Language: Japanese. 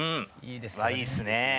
いいですね！